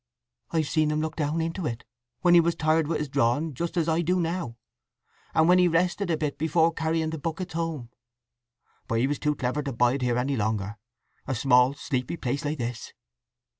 "I've seen him look down into it, when he was tired with his drawing, just as I do now, and when he rested a bit before carrying the buckets home! But he was too clever to bide here any longer—a small sleepy place like this!"